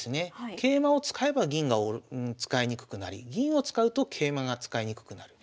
桂馬を使えば銀が使いにくくなり銀を使うと桂馬が使いにくくなる。